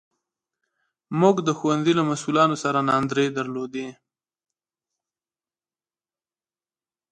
موږ د ښوونځي له مسوولانو سره ناندرۍ درلودې.